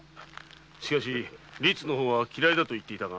しかし律の方は嫌いだと言っていたが。